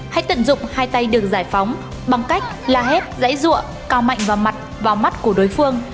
hãy tận dụng hai tay được giải phóng bằng cách là hép dãy ruộng cao mạnh vào mặt vào mắt của đối phương